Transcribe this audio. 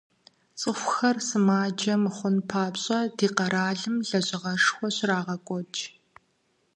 ЦӀыхухэр сымаджэ мыхъун папщӀэ, ди къэралым лэжьыгъэшхуэ щрагъэкӀуэкӀ.